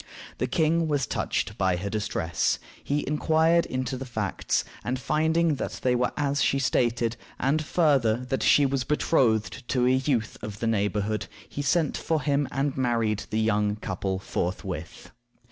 The king was touched by her distress. He inquired into the facts, and, finding that they were as she stated, and, farther, that she was betrothed to a youth of the neighborhood, he sent for him and married the young couple forthwith.